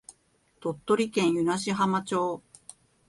鳥取県湯梨浜町